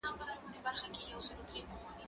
زه به سبا مينه څرګنده کړم!!